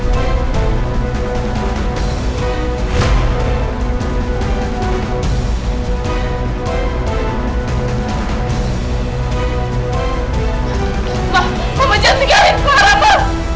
mama jangan tinggalin kelara ma